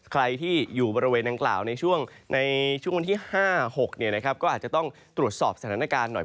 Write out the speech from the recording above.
ใครที่อยู่บริเวณดังกล่าวในช่วงวันที่๕๖ก็อาจจะต้องตรวจสอบสถานการณ์หน่อย